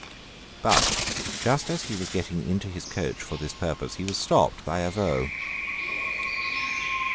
But just as he was getting into his coach for this purpose he was stopped by Avaux.